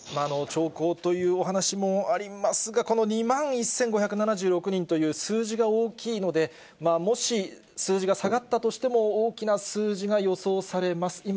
兆候というお話もありますが、この２万１５７６人という数字が大きいので、もし数字が下がったとしても大きな数字が予想されます。